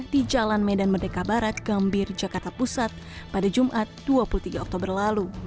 di jalan medan merdeka barat gambir jakarta pusat pada jumat dua puluh tiga oktober lalu